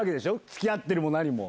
つきあってるも何も。